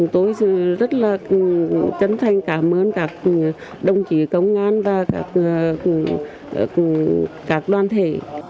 tôi rất là chân thành cảm ơn các đồng chí công an và các đoàn thể